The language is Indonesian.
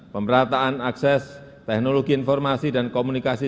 pemerataan akses teknologi informasi dan komunikasi